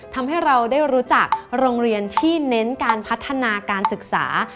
ทำให้เราได้รู้จักโรงเรียนที่เน้นการพัฒนาการศึกษา